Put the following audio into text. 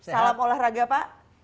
salam olahraga pak